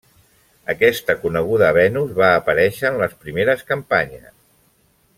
Aquesta coneguda Venus va aparèixer en les primeres campanyes.